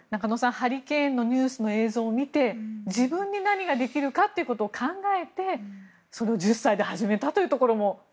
ハリケーンのニュースの映像を見て自分に何ができるかということを考えてそれを１０歳で始めたということも。